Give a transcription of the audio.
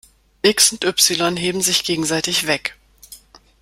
x und y heben sich gegenseitig weg.